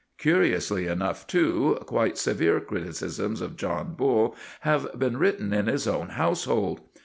Curiously enough, too, quite severe criticisms of John Bull have been written in his own household.